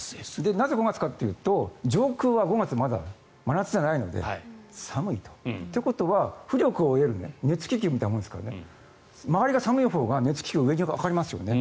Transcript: なぜ５月かというと上空はまだ真夏じゃないので寒いと。ということは浮力を得るので熱気球みたいなものですから周りが寒いほうが熱気球、上がりますよね。